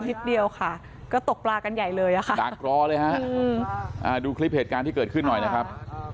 นิดเดียวค่ะก็ตกปลากันใหญ่เลยอะค่ะดักรอเลยฮะดูคลิปเหตุการณ์ที่เกิดขึ้นหน่อยนะครับ